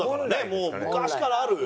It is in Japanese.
もう昔からある。